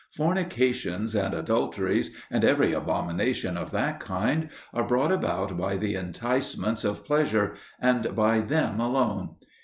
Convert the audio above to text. Fornications and adulteries, and every abomination of that kind, are brought about by the enticements of pleasure and by them alone.